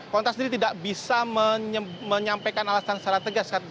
kontra sendiri tidak bisa menyampaikan alasan secara tegas